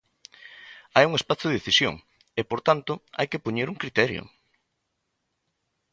Hai un espazo de decisión e, por tanto, hai que poñer un criterio.